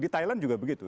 di thailand juga begitu